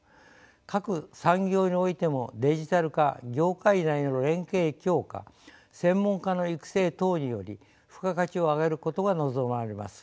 各産業においてもデジタル化業界内の連携強化専門家の育成等により付加価値を上げることが望まれます。